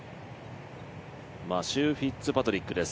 マシュー・フィッツパトリックです